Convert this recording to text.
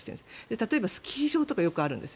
例えばスキー場とかよくあるんです。